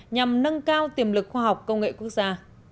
nhằm nâng cao tiềm lực khoa học công nghệ quốc gia